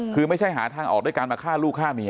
คือไม่ใช่หาทางออกด้วยการมาฆ่าลูกฆ่าเมีย